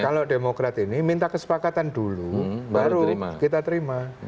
kalau demokrat ini minta kesepakatan dulu baru kita terima